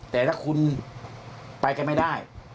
แต่ถ้าคุณไปกันไม่ได้